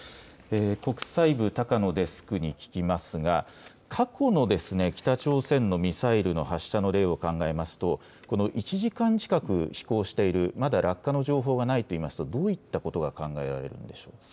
国際部、高野デスクに聞きますが過去の北朝鮮のミサイルの発射の例を考えますと１時間近く飛行している、まだ落下の情報がないといいますとどういったことが考えられるんでしょうか。